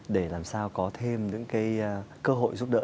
để làm sao có thêm những cơ hội giúp đỡ